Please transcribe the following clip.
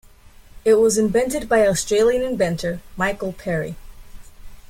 It was invented by Australian inventor Michael Perry.